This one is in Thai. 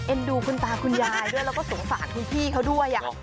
ดูคุณตาคุณยายด้วยแล้วก็สงสารคุณพี่เขาด้วย